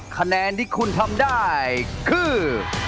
คะแนนที่คุณทำได้คือ